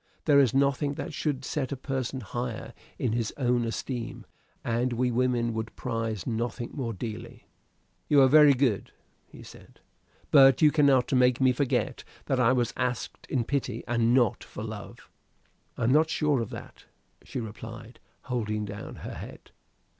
There is nothing that should set a person higher in his own esteem; and we women would prize nothing more dearly." "You are very good," he said; "but you cannot make me forget that I was asked in pity and not for love." "I am not so sure of that," she replied, holding down her head.